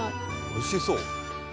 おいしそう。